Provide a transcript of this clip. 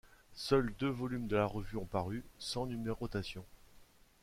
Seuls deux volumes de la revue ont paru, sans numérotation.